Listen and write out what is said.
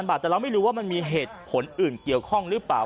บาทแต่เราไม่รู้ว่ามันมีเหตุผลอื่นเกี่ยวข้องหรือเปล่า